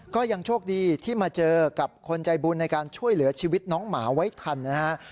ก็ยังโชคดีที่มาเจอกับคนใจบุญในการช่วยเหลือชีวิตน้องหมาไว้ทันนะฮะ